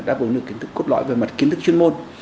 đáp ứng được kiến thức cốt lõi về mặt kiến thức chuyên môn